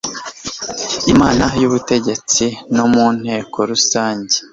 imana y ubutegetsi no mu nteko rusange